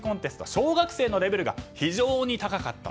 小学生のレベルが非常に高かった。